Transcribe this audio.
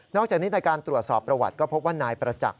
จากนี้ในการตรวจสอบประวัติก็พบว่านายประจักษ